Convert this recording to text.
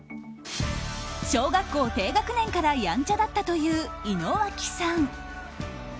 小学校低学年からやんちゃだったという井之脇さん。